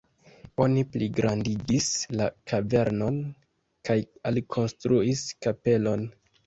Oni pligrandigis la kavernon kaj alkonstruis kapelon.